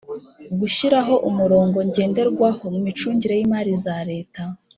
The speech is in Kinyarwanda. Gushyiraho umurongo ngenderwaho mu micungire y’imari za Leta